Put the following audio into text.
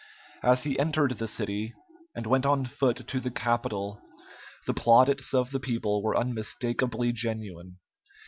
As he entered the city and went on foot to the Capitol, the plaudits of the people were unmistakably genuine.